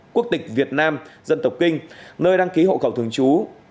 quốc tịch việt nam dân tộc kinh nơi đăng ký hộ khẩu thường trú